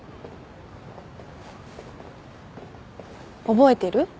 覚えてる？